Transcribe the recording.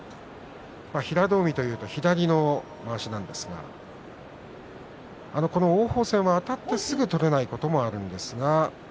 平戸海といいますと左のまわしなんですが王鵬戦はあたってすぐに取れないこともあります。